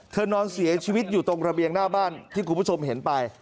นอนเสียชีวิตอยู่ตรงระเบียงหน้าบ้านที่คุณผู้ชมเห็นไป